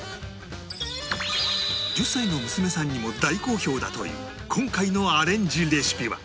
１０歳の娘さんにも大好評だという今回のアレンジレシピは